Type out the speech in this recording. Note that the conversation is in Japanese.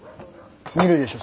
見るでしょ